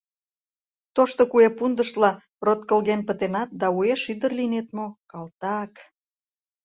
Тошто куэ пундышла роткылген пытенат да уэш ӱдыр лийнет мо, калтак!